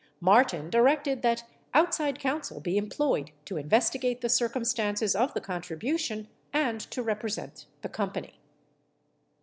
Martin directed that out side counsel be employed to investigate the circumstances of the con tribution and to represent the company.